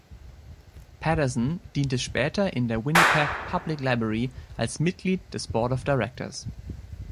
Patterson diente später in der Winnipeg Public Library als Mitglied des Board of Directors.